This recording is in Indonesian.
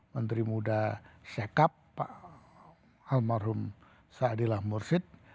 menteri muda shekap pak almarhum saadillah mursid